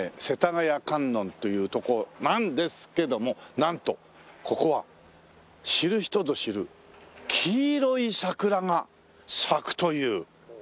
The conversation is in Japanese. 世田谷観音というとこなんですけどもなんとここは知る人ぞ知る黄色い桜が咲くという。